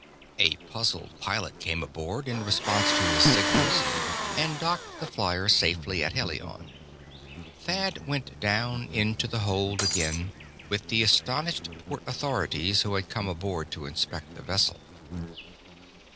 A puzzled pilot came aboard, in response to his signals, and docked the flier safely at Helion. Thad went down into the hold again, with the astonished port authorities who had come aboard to inspect the vessel.